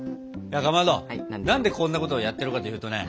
かまど何でこんなことをやってるかっていうとね